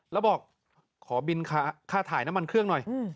แล้วบอกขอบินค่าถ่ายน้ำมันเครื่องหน่อย